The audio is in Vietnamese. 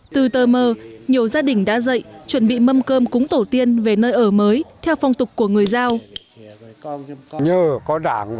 từ tơ mơ nhiều gia đình đã dạy chuẩn bị mâm cơm cúng tổ tiên về nơi ở mới theo phong tục của người giao